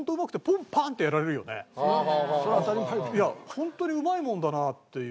ホントにうまいもんだなという。